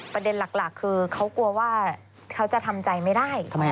ประเด็นหลักคือเขากลัวว่าเขาจะทำใจไม่ได้